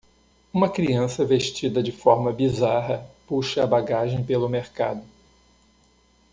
Uma criança vestida de forma bizarra puxa a bagagem pelo mercado